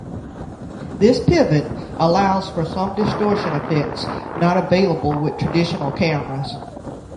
This pivot allows for some distortion effects not available with traditional cameras.